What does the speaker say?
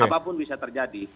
apapun bisa terjadi